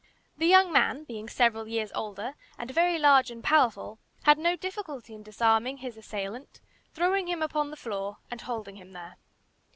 The young man being several years older, and very large and powerful, had no difficulty in disarming his assailant, throwing him upon the floor and holding him there.